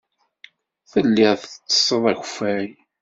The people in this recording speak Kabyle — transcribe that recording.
Telliḍ tettesseḍ akeffay.